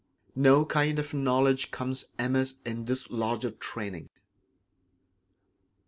No kind of knowledge comes amiss in this larger training.